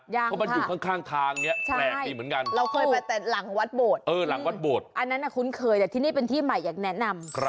ยังค่ะใช่เราเคยไปแต่หลังวัดโบดอันนั้นคุ้นเคยแต่ที่นี่เป็นที่ใหม่อยากแนะนำ